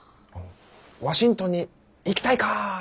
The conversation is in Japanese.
「ワシントンに行きたいか！」。